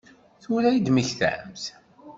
Tura i d-temmektamt?